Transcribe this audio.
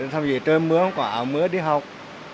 thầm gì trời mưa không có mưa đi học